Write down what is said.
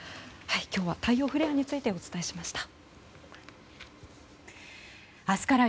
今日は太陽フレアについてお伝えしました。